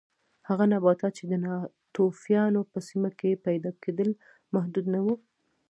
هغه نباتات چې د ناتوفیانو په سیمه کې پیدا کېدل محدود نه و